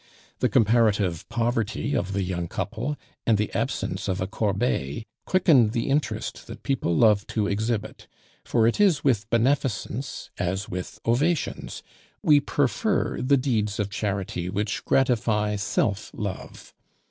The comparative poverty of the young couple and the absence of a corbeille quickened the interest that people love to exhibit; for it is with beneficence as with ovations, we prefer the deeds of charity which gratify self love.